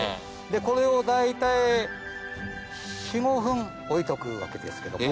これを大体４５分置いとくわけですけども。